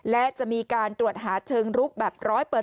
และจะมีการตรวจหาเชิงลุกแบบ๑๐๐